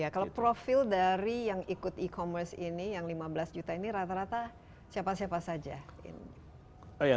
kalau profil dari yang ikut e commerce ini yang lima belas juta ini rata rata siapa siapa saja